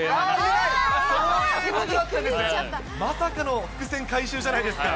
まさかの伏線回収じゃないですか。